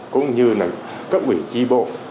cũng như là cấp ủy tri bộ